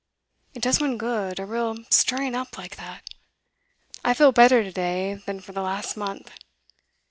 It does one good, a real stirring up like that; I feel better to day than for the last month.